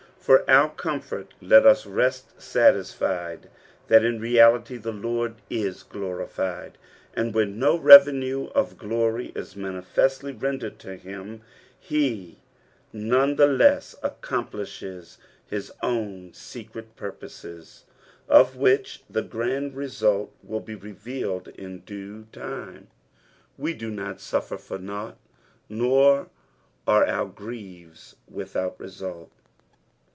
For our comfort let us rest satisfied that in reality the Lord is glorified, and when no revenue of glory is manifestly rendered to him, he none the less accomplishes his own secret purposes, of which the grand result will be revealed in due time. We do not suffer for nought, nor are oar griefs without result.